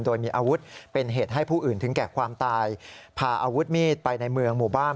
โดยมีอาวุธเป็นเหตุให้ผู้อื่นถึงแก่ความตายพาอาวุธมีดไปในเมืองหมู่บ้าน